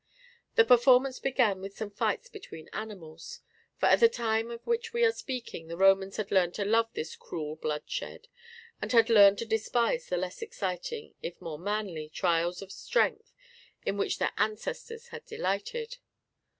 The performance began with some fights between animals; for at the time of which we are speaking the Romans had learned to love this cruel bloodshed, and had learned to despise the less exciting, if more manly, trials of strength in which their ancestors had delighted.